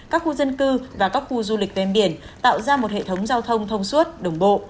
các khu dân cư và các khu du lịch ven biển tạo ra một hệ thống giao thông thông suốt đồng bộ